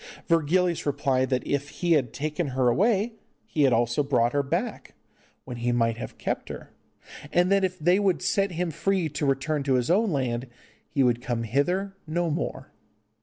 Virgilius replied that if he had taken her away he had also brought her back, when he might have kept her, and that if they would set him free to return to his own land he would come hither no more.